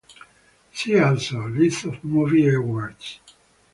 "See also:" list of movie awards.